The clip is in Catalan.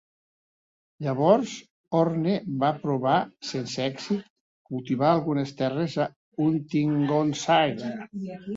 Llavors Horne va provar, sense èxit, cultivar algunes terres a Huntingdonshire.